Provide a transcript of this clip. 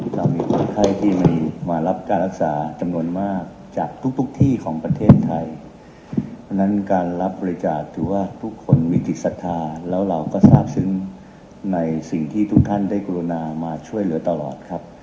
เรามีคนไข้ที่มารับการรักษาจำนวนมากจากทุกที่ของประเทศไทยเพราะฉะนั้นการรับบริจาคถือว่าทุกคนมีจิตศรัทธาแล้วเราก็ทราบซึ้งในสิ่งที่ทุกท่านได้กรุณามาช่วยเหลือตลอดครับ